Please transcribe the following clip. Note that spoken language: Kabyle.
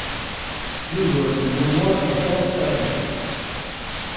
Yugurten U Muḥ ixuṣ tarmit.